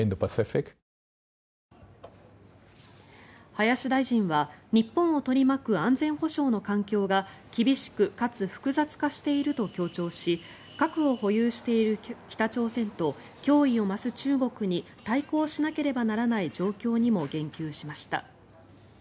林大臣は日本を取り巻く安全保障の環境が厳しくかつ複雑化していると強調し核を保有している北朝鮮と脅威を増す中国に対抗しなければならない状況にも言及しました。